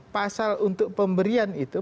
pasal untuk pemberian itu